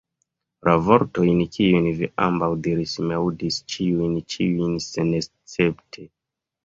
La vortojn, kiujn vi ambaŭ diris, mi aŭdis ĉiujn, ĉiujn senescepte.